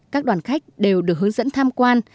các đoàn khách đều được hướng dẫn tham quan